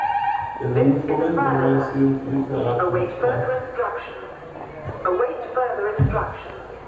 Desde muy joven, Bob había sido un prodigio de las artes marciales.